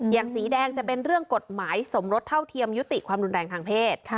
สีแดงจะเป็นเรื่องกฎหมายสมรสเท่าเทียมยุติความรุนแรงทางเพศ